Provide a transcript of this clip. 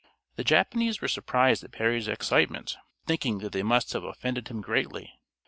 The Japanese were surprised at Perry's excitement, thinking that they must have offended him greatly.